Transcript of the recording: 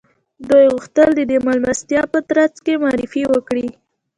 دوی غوښتل د دې مېلمستیا په ترڅ کې معرفي وکړي